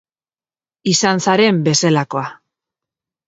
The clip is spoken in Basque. Izan zaren bezelakoa